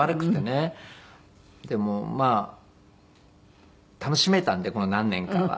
でもうまあ楽しめたんでこの何年かは。